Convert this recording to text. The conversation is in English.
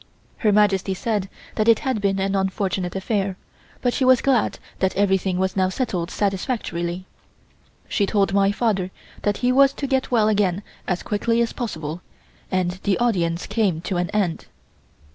Her Majesty said that it had been an unfortunate affair, but she was glad that everything was now settled satisfactorily. She told my father that he was to get well again as quickly as possible, and the audience came to an end.